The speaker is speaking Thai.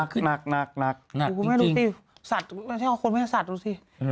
คุณรู้สิสัตว์คนนี้สัตว์รู้สิ